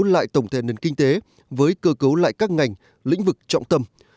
lại tổng thể nền kinh tế với cơ cấu lại các ngành lĩnh vực trọng tâm